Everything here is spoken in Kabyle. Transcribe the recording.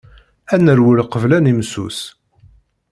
Ad nerwel qbel ad nimsus.